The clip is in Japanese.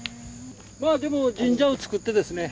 まあでも神社をつくってですね